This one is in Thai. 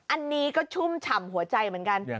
อันนี้ก็ชุ่มฉ่ำหัวใจเหมือนกัน